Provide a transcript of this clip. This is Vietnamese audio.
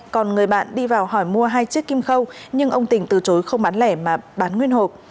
còn người bạn đi vào hỏi mua hai chiếc kim khâu nhưng ông tình từ chối không bán lẻ mà bán nguyên hộp